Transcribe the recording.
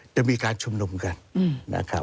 จะมีการชุมนุมกันนะครับ